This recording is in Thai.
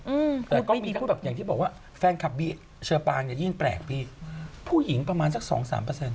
อืมก็มีก็แบบอย่างที่บอกว่าแฟนคลับบี้เชี่ยวปลายนะยิ่งแปลกเพียงผู้หญิงประมาณสักสองสามเปอร์เซ็นต์